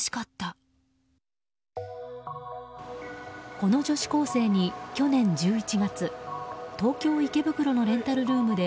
この女子高生に、去年１１月東京・池袋のレンタルルームで